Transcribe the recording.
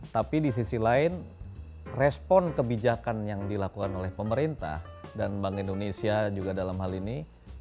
tapi di sisi lain respon kebijakan yang dilakukan oleh pemerintah dan bank indonesia juga dalam hal ini